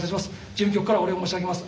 事務局からお礼申し上げます。